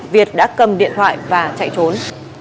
việt đã cầm điện thoại và chạy trốn